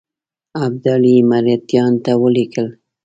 ابدالي مرهټیانو ته ولیکل.